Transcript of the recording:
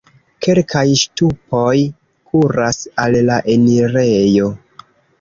Kelkaj ŝtupoj kuras al la enirejo.